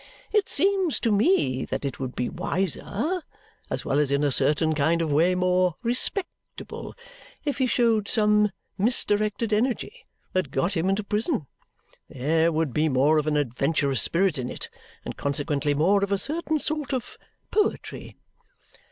"It seems to me that it would be wiser, as well as in a certain kind of way more respectable, if he showed some misdirected energy that got him into prison. There would be more of an adventurous spirit in it, and consequently more of a certain sort of poetry."